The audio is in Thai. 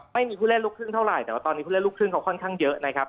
ไม่มีผู้เล่นลูกครึ่งเท่าไหร่แต่ว่าตอนนี้ผู้เล่นลูกครึ่งเขาค่อนข้างเยอะนะครับ